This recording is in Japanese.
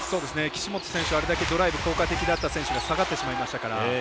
岸本選手、あれだけドライブ効果的だった選手が下がってしまいましたから。